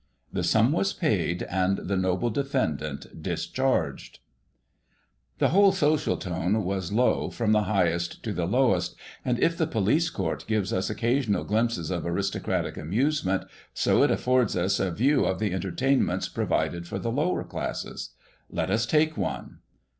The sum was paid, and the noble defendant discharged. The whole social tone was low, from the highest to the lowest, and if the police court gives us occasional glimpses of aristocratic amusement, so it affords us a view of the enter tainments provided for the lower classes. Let us take one.